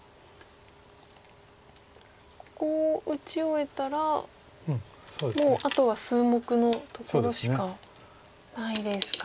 ここを打ち終えたらもうあとは数目のところしかないですか。